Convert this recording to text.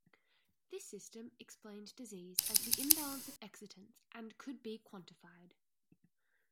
This system explained disease as the imbalance of excitants and could be quantified.